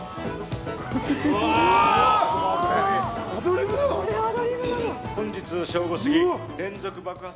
アドリブなの？